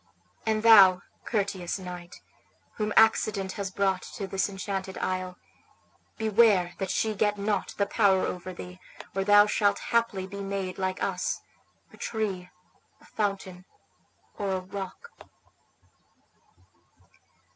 And thou, courteous knight, whom accident has brought to this enchanted isle, beware that she get not the power over thee, or thou shalt haply be made like us, a tree, a fountain, or a rock."